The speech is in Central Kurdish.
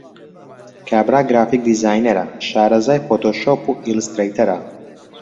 کابرا گرافیک دیزاینەرە، شارەزای فۆتۆشۆپ و ئیلسترەیتەرە.